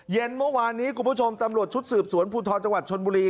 เย็นเมื่อวานนี้คุณผู้ชมตำรวจชุดสืบสวนภูทรจังหวัดชนบุรี